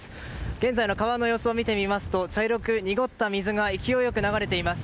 現在の川の様子を見てみると茶色濁った水が勢いよく流れています。